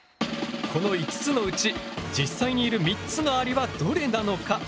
この５つのうち実際にいる３つのアリはどれなのか？